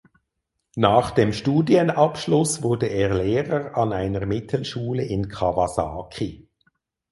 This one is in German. Nach dem Studienabschluss wurde er Lehrer an einer Mittelschule in Kawasaki.